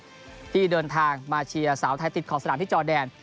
ที่เดินทางมาเชียร์สาวไทยติดขอบสนามที่จอแดน